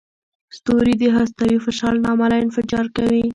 ستوري د هستوي فشار له امله انفجار کوي.